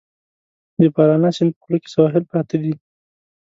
د پارانا سیند په خوله کې سواحل پراته دي.